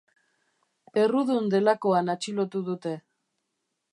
Errudun delakoan atxilotu dute.